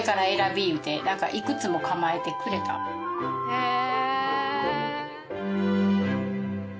へえ。